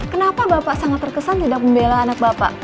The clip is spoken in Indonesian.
kenapa bapak sangat terkesan tidak membela anak bapak